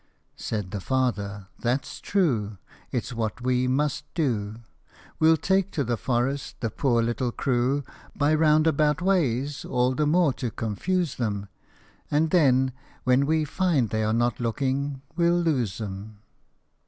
Said the father, "That's true! It 's what we must do We'll take to the forest the poor little crew By roundabout ways, all the more to confuse them ; And then, when we find they're not looking, we'll lose them."